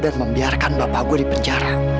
dan membiarkan bapak gue di penjara